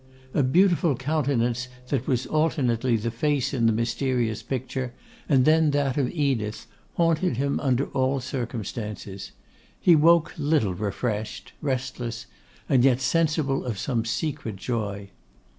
A beautiful countenance that was alternately the face in the mysterious picture, and then that of Edith, haunted him under all circumstances. He woke little refreshed; restless, and yet sensible of some secret joy.